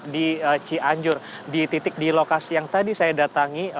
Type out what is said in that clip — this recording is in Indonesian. di cianjur di titik di lokasi yang tadi saya datangi